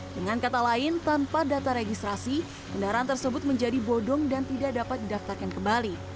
dengan kata lain tanpa data registrasi kendaraan tersebut menjadi bodong dan tidak dapat didaftarkan kembali